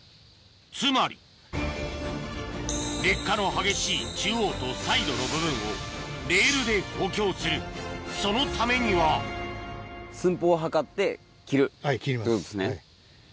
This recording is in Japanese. つまり劣化の激しい中央とサイドの部分をレールで補強するそのためにははい切ります。